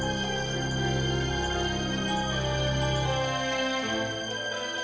regis memenangkannya mem congratulate bestasem